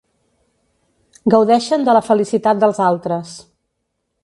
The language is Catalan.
Gaudeixen de la felicitat dels altres.